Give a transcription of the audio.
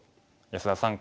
安田さん